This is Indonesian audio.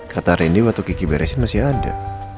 kata rendy waktu kiki beresin masih ada